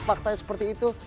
faktanya seperti itu